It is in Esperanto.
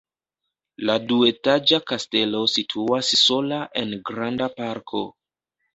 La duetaĝa kastelo situas sola en granda parko.